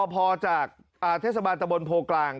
พอจากเทศบาลตะบนโพกลาง